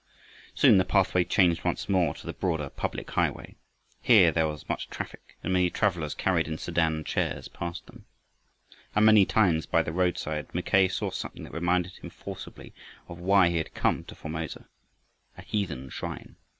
Soon the pathway changed once more to the broader public highway. Here there was much traffic, and many travelers carried in sedan chairs passed them. And many times by the roadside Mackay saw something that reminded him forcibly of why he had come to Formosa a heathen shrine.